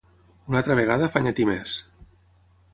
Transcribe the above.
Una altra vegada afanya-t'hi més.